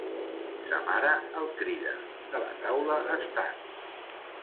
Sa mare el crida, de la taula estant.